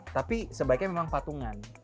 tapi sebaiknya memang patungan